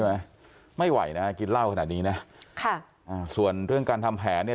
ไหมไม่ไหวนะฮะกินเหล้าขนาดนี้นะค่ะอ่าส่วนเรื่องการทำแผนเนี่ย